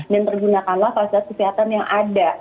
dan pergunakanlah kasus kesehatan yang ada untuk melahirkan